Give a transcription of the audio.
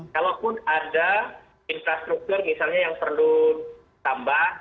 kalaupun ada infrastruktur misalnya yang perlu tambah